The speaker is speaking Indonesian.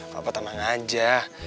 papa tenang aja